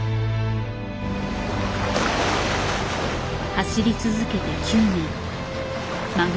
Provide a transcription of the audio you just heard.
走り続けて９年。